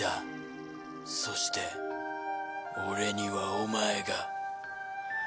そして俺にはお前が。